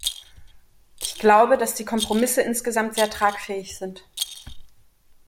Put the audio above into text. Ich glaube, dass die Kompromisse insgesamt sehr tragfähig sind.